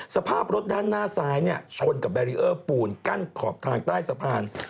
สภาพรถด้านหน้าซ้ายชนกับแบรีเออร์ปูนกั้นขอบทางใต้สะพาน